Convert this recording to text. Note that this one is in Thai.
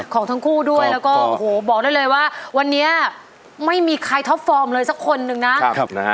ของทั้งคู่ด้วยแล้วก็โอ้โหบอกได้เลยว่าวันนี้ไม่มีใครท็อปฟอร์มเลยสักคนนึงนะครับนะฮะ